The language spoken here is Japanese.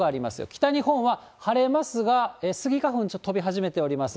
北日本は、晴れますが、スギ花粉、ちょっと飛び始めております。